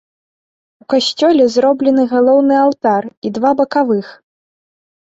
У касцёле зроблены галоўны алтар і два бакавых.